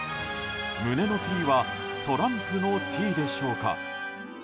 胸の「Ｔ」はトランプの「Ｔ」でしょうか。